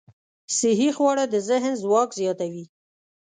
صحي خواړه د ذهن ځواک زیاتوي.